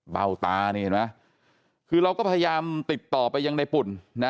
เบ้าตานี่เห็นไหมคือเราก็พยายามติดต่อไปยังในปุ่นนะ